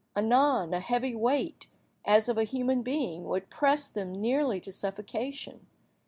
Anon, a heavy weight, as of a human being, would press them nearly to suffocation.